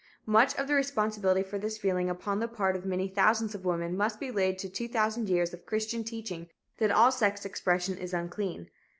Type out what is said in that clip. Much of the responsibility for this feeling upon the part of many thousands of women must be laid to two thousand years of Christian teaching that all sex expression is unclean.